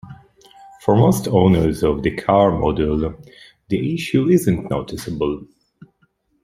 For most owners of the car model, the issue isn't noticeable.